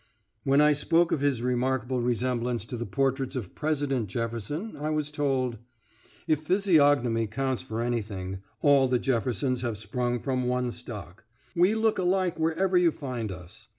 When I spoke of his remarkable resemblance to the portraits of President Jefferson, I was told: "If physiognomy counts for anything, all the Jeffersons have sprung from one stock; we look alike wherever you find us.